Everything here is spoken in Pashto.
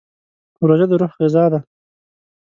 روژه د روح غذا ده.